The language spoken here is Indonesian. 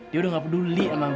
dia udah nggak peduli sama gua